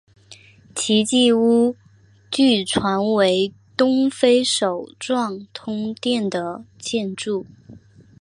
奇迹屋据传为东非首幢通电的建筑。